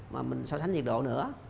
mà mình so sánh nhiệt độ nữa